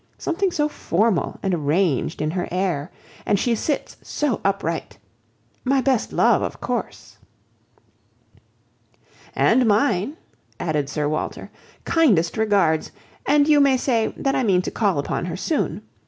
Something so formal and arrangé in her air! and she sits so upright! My best love, of course." "And mine," added Sir Walter. "Kindest regards. And you may say, that I mean to call upon her soon.